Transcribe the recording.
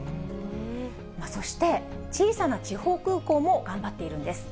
そして、小さな地方空港も頑張っているんです。